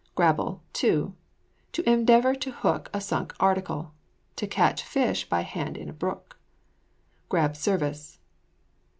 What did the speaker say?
GRABBLE, TO. To endeavour to hook a sunk article. To catch fish by hand in a brook. GRAB SERVICE.